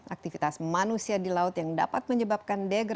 aktivitas manusia di laut yang dapat menyebabkan degan